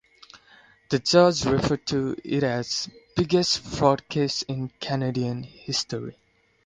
The judge referred to it as biggest fraud case in Canadian history.